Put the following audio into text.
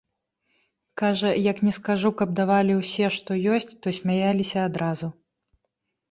Кажа, як ні скажу, каб давалі ўсе, што ёсць, то смяяліся адразу.